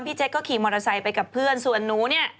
พี่เจ็ตก็ขี้มอเตอร์ไซว์ไปกับเพื่อนส่วนนู้น